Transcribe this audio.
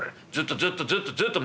ずっと。